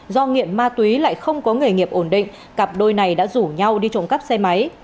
do nghiện ma túy lại không có nghề nghiệp ổn định cặp đôi này đã rủ nhau đi trộm cắp xe máy